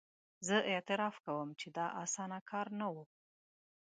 زه اعتراف کوم چې دا اسانه کار نه وو.